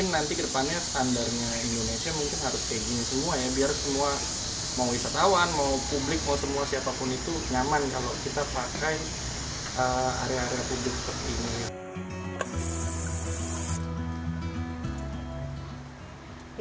nanti kedepannya standarnya indonesia mungkin harus kayak gini semua ya biar semua mau wisatawan mau publik mau semua siapapun itu nyaman kalau kita pakai area area publik seperti ini